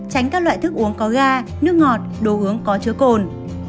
tránh các loại thức uống có ga nước ngọt đồ uống có chứa cồn